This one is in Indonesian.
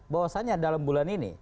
bahwasannya dalam bulan ini